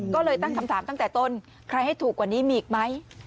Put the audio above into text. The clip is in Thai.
ก็เลยตั้งคำถามตั้งแต่ต้นใครให้ถูกกว่านี้มีอีกไหม